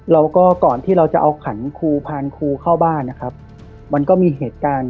แล้วก็ก่อนที่เราจะเอาขันครูพานครูเข้าบ้านนะครับมันก็มีเหตุการณ์